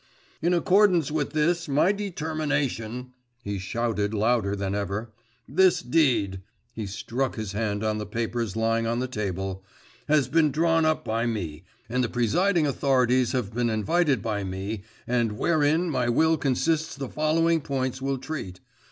'In accordance with this my determination,' he shouted louder than ever, 'this deed' (he struck his hand on the papers lying on the table) 'has been drawn up by me, and the presiding authorities have been invited by me, and wherein my will consists the following points will treat.